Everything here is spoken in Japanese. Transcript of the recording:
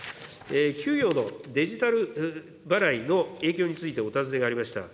給与のデジタル払いの影響についてお尋ねがありました。